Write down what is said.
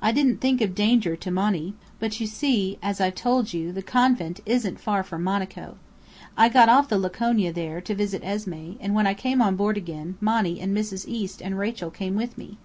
I didn't think of danger to Monny; but you see, as I've told you, the convent isn't far from Monaco. I got off the Laconia there, to visit Esmé, and when I came on board again, Monny and Mrs. East and Rachel came with me.